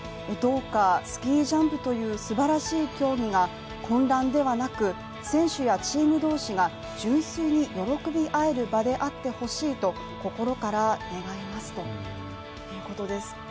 どうかスキージャンプというすばらしい競技が混乱ではなく選手やチーム同士が純粋に喜び合える場であってほしいと心から願いますということです。